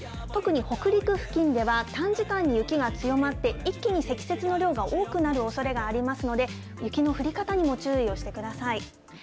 特に北陸付近では、短時間に雪が強まって、一気に積雪の量が多くなるおそれがありますので、雪の降り方にも注意をしてください。